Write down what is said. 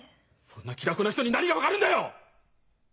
そんな気楽な人に何が分かるんだよ！